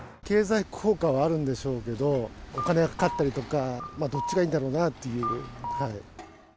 経済効果はあるんでしょうけど、お金がかかったりとか、どっちがいいんだろうなっていう。